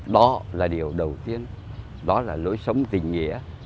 đó là điều đầu tiên đó là lối sống tình nghĩa